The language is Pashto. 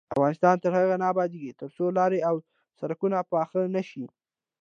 افغانستان تر هغو نه ابادیږي، ترڅو لارې او سرکونه پاخه نشي.